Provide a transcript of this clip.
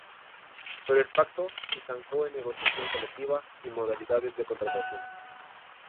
Pero el pacto se estancó en negociación colectiva y modalidades de contratación.